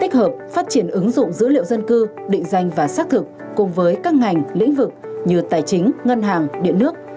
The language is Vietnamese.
phát hợp phát triển ứng dụng dữ liệu dân cư định danh và xác thực cùng với các ngành lĩnh vực như tài chính ngân hàng điện nước